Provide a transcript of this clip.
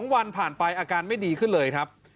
๒วันผ่านไปอาการไม่ดีขึ้นเลยครับ